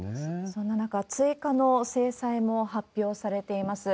そんな中、追加の制裁も発表されています。